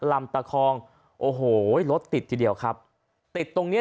ลำตะคองโอ้โหรถติดทีเดียวครับติดตรงเนี้ย